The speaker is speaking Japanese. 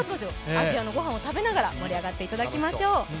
アジアのごはんを食べながら盛り上がっていただきましょう。